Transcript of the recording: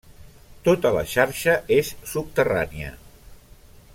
Tota la xarxa és subterrània.